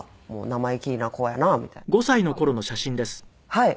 はい。